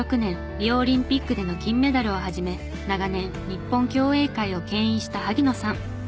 リオオリンピックでの金メダルを始め長年日本競泳界をけん引した萩野さん。